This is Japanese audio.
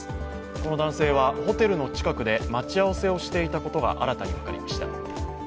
この男性はホテルの近くで待ち合わせをしていたことが新たに分かりました。